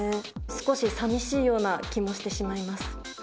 少しさみしいような気もしてしまいます。